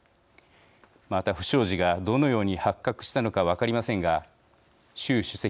また不祥事がどのように発覚したのかは分かりませんが習主席